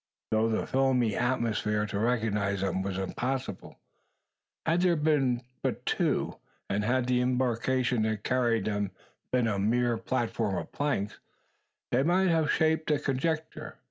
Through the filmy atmosphere to recognise them was impossible. Had there been but two, and had the embarkation that carried them been a mere platform of planks, they might have shaped a conjecture.